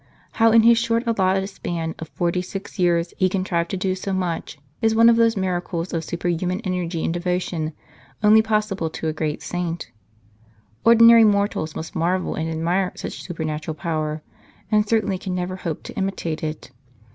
How in his short allotted span of forty six years he contrived to do so much is one of those miracles of superhuman energy and devotion only possible to a great saint. Ordinary mortals must marvel and admire such supernatural power, and certainly can never hope to imitate it.